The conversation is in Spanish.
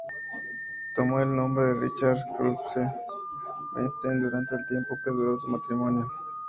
Tomó el nombre Richard Kruspe-Bernstein durante el tiempo que duró su matrimonio.